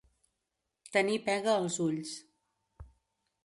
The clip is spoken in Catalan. Tenir pega als ulls.